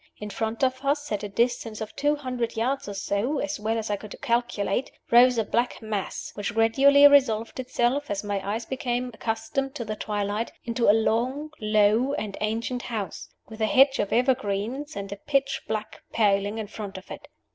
In front of us, at a distance of two hundred yards or so as well as I could calculate, rose a black mass, which gradually resolved itself, as my eyes became accustomed to the twilight, into a long, low, and ancient house, with a hedge of evergreens and a pitch black paling in front of it.